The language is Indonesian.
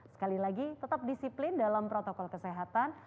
sekali lagi tetap disiplin dalam protokol kesehatan